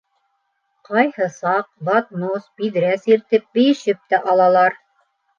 Ҡайһы саҡ батмус, биҙрә сиртеп бейешеп тә алалар.